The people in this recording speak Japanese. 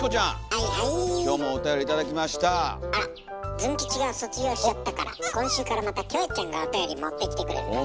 ズン吉が卒業しちゃったから今週からまたキョエちゃんがおたより持ってきてくれるのね。